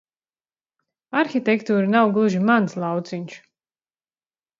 Arhitektūra nav gluži mans lauciņš.